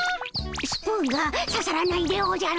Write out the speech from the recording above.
スプーンがささらないでおじゃる。